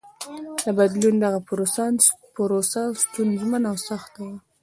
د بدلون دغه پروسه ستونزمنه او سخته وه.